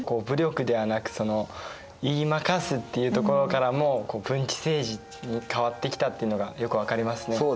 武力ではなく言い負かすっていうところからも文治政治に変わってきたっていうのがよく分かりますね。